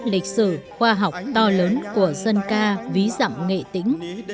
lịch sử khoa học to lớn của dân ca ví dặm nghệ tĩnh